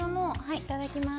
いただきます。